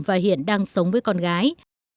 và hiện đang sống với con gái